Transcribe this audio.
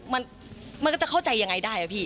ไม่คือมันก็จะเข้าใจอย่างไรได้